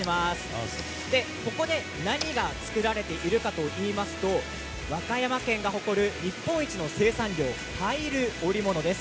ここで何が作られているかといいますと和歌山県が誇る日本一の生産量パイル織物です。